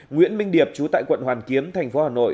nguyễn minh điệp chú tại quận hoàn kiếm thành phố hà nội